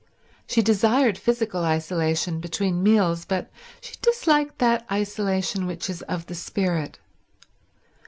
She desired physical isolation between meals, but she disliked that isolation which is of the spirit.